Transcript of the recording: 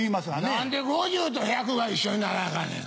何で５０と１００が一緒にならなアカンねん。